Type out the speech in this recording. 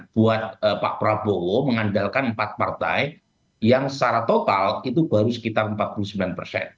buat pak prabowo mengandalkan empat partai yang secara total itu baru sekitar empat puluh sembilan persen